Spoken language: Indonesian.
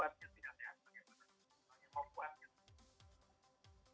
kalau tim nasionalnya tidak sehat bagaimana tim nasionalnya mau kuat